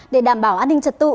để đảm bảo an ninh trật tự